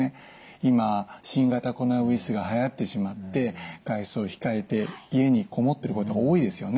今新型コロナウイルスがはやってしまって外出を控えて家にこもってることが多いですよね。